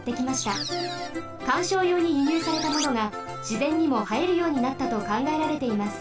かんしょうようにゆにゅうされたものがしぜんにもはえるようになったとかんがえられています。